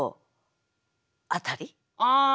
ああ